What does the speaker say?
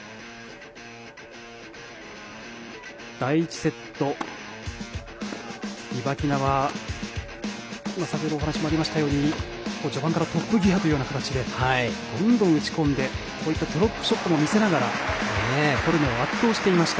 第１セット、リバキナは先ほどお話もありましたように序盤からトップギアというような形でどんどん打ちこんでドロップショットも見せながらコルネを圧倒していました。